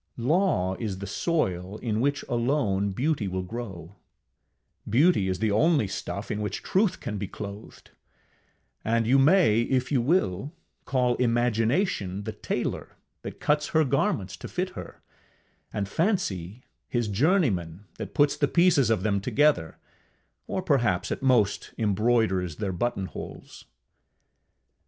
Law is the soil in which alone beauty will grow; beauty is the only stuff in which Truth can be clothed; and you may, if you will, call Imagination the tailor that cuts her garments to fit her, and Fancy his journeyman that puts the pieces of them together, or perhaps at most embroiders their button holes.